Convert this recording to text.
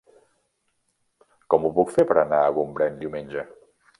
Com ho puc fer per anar a Gombrèn diumenge?